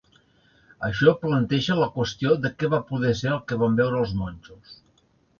Això planteja la qüestió de què va poder ser el que van veure els monjos.